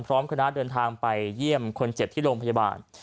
พร้อมคณะเดินทางไปเยี่ยมคนเจ็บที่โรงพยาบาล